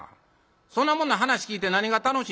そんなもんの噺聴いて何が楽しい」。